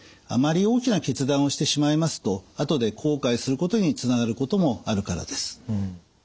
あまり大きな決断をしてしまいますと後で後悔することにつながることもあるからです。